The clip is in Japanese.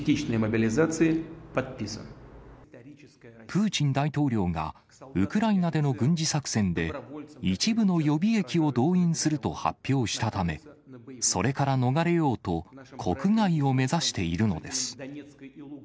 プーチン大統領がウクライナでの軍事作戦で、一部の予備役を動員すると発表したため、それから逃れようと、国外を目指しているのです。